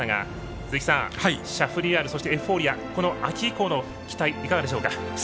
鈴木さん、シャフリヤールエフフォーリアこの秋以降の期待いかがでしょうか？